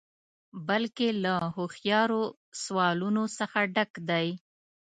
بلکې له هوښیارو سوالونو څخه ډک دی.